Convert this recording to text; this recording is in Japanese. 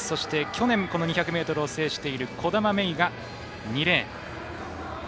去年２００ｍを制している兒玉芽生が２レーン。